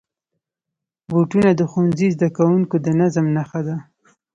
بوټونه د ښوونځي زدهکوونکو د نظم نښه ده.